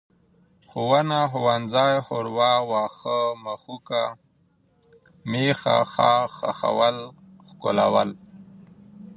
ښوونه، ښوونځی، ښوروا، واښه، مښوکه، مېښه، ښاخ، ښخول، ښکلول